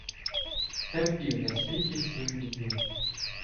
Терпів на світі сім біду.